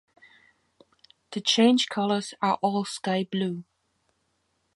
The change colours are all sky blue.